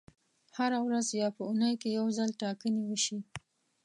هره ورځ یا په اونۍ کې یو ځل ټاکنې وشي.